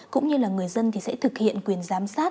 cũng như là người dân thì sẽ thực hiện quyền giám sát